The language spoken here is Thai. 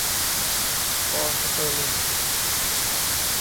ปอนด์สเตอร์ลิง